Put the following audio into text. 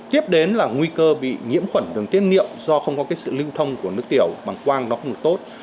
tiếp đến là nguy cơ bị nhiễm khuẩn đường tiết niệm do không có cái sự lưu thông của nước tiểu bằng quang nó không được tốt